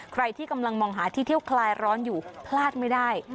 ใครที่กำลังมองหาที่เที่ยวคลายร้อนอยู่พลาดไม่ได้